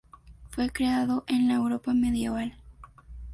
Fue creado en la Europa medieval.